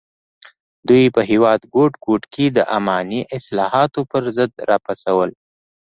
دوی په هېواد ګوټ ګوټ کې د اماني اصلاحاتو پر ضد راپاڅول.